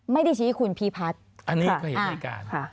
ไม่ได้ชี้ขุนผีภัทร